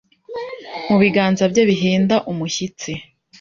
Mu biganza bye bihinda umushyitsi